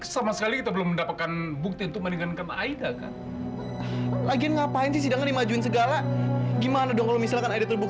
sampai jumpa di video selanjutnya